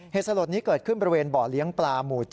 สลดนี้เกิดขึ้นบริเวณบ่อเลี้ยงปลาหมู่๗